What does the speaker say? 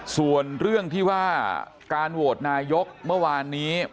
ส่วนเรื่องที่ว่าการโหวตนายกเมื่อวานนี้